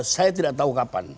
saya tidak tahu kapan